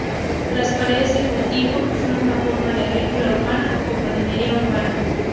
Las paredes de cultivo son una forma de agricultura urbana o jardinería urbana.